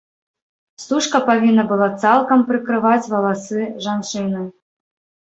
Стужка павінна была цалкам прыкрываць валасы жанчыны.